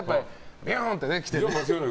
ビューンって来て。